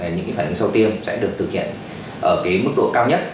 những cái phản ứng sâu tiêm sẽ được thực hiện ở cái mức độ cao nhất